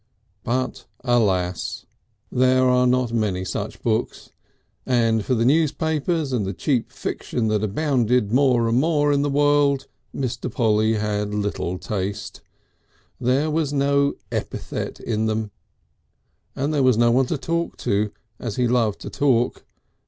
But alas! there are not many such books, and for the newspapers and the cheap fiction that abounded more and more in the world Mr. Polly had little taste. There was no epithet in them. And there was no one to talk to, as he loved to talk.